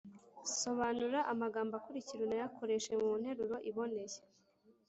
sobanura amagambo akurikira unayakoreshe mu nteruro iboneye.